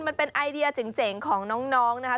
มันเป็นไอเดียเจ๋งของน้องนะคะ